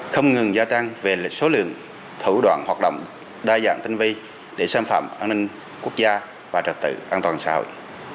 không ngừng gia tăng về số lượng thủ đoạn hoạt động đa dạng tinh vi để xâm phạm an ninh quốc gia và trật tự an toàn xã hội